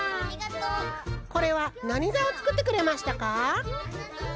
これはなにざをつくってくれましたか？